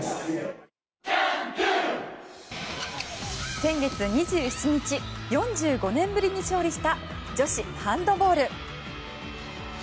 先月２７日４５年ぶりに勝利した女子ハンドボール。